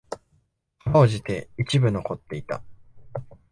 辛うじて一部残っていた。